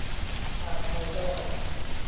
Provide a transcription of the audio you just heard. อ่านไทยได้